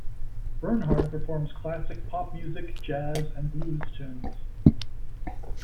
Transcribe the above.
Bernhard performs classic pop music, jazz, and blues tunes.